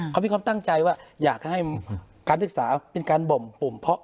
เขามีความตั้งใจว่าอยากให้การศึกษาเป็นการบ่มปุ่มเพาะ